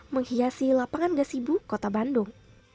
menghiasi lapangan gasibu kota bandung